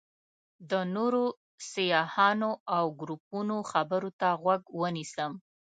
د نورو سیاحانو او ګروپونو خبرو ته غوږ ونیسم.